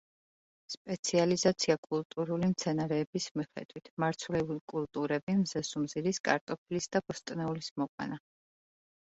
სპეციალიზაცია კულტურული მცენარეების მიხედვით: მარცვლეული კულტურები, მზესუმზირის, კარტოფილის და ბოსტნეულის მოყვანა.